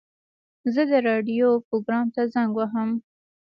زه د راډیو پروګرام ته زنګ وهم.